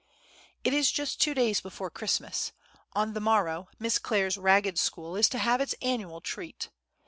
It is just two days before Christmas: on the morrow Miss Clare's Ragged School is to have its annual treat.